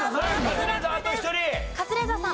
カズレーザーさん。